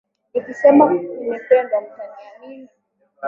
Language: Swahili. Nikisema nimependwa, mtaniamini?